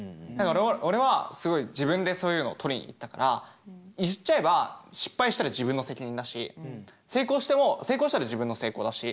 俺はすごい自分でそういうのを取りに行ったから言っちゃえば失敗したら自分の責任だし成功しても成功したら自分の成功だし。